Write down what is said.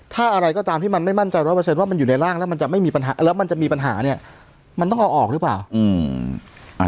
ถ้าอะไรก็ตามที่มันไม่มั่นใจ๑๐๐ว่ามันอยู่ในร่างแล้วมันจะมีปัญหาเนี่ยมันต้องเอาออกหรือเปล่า